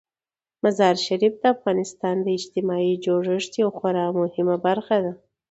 مزارشریف د افغانستان د اجتماعي جوړښت یوه خورا مهمه برخه ده.